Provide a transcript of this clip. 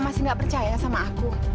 masih gak percaya sama aku